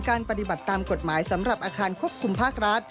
ปฏิบัติตามกฎหมายสำหรับอาคารควบคุมภาครัฐ